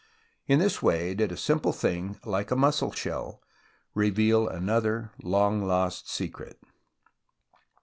In this way did a simple thing like a mussel shell reveal another long lost secret.